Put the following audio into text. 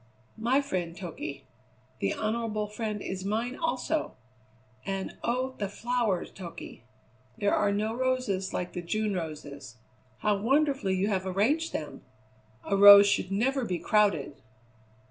"My friend, Toky. The honourable friend is mine, also! And, oh! the flowers, Toky! There are no roses like the June roses. How wonderfully you have arranged them! A rose should never be crowded."